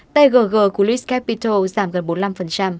tgg của lewis capital giảm gần bốn mươi năm